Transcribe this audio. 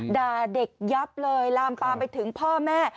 ด่าเด็กยับเลยลามปามไปถึงพ่อแม่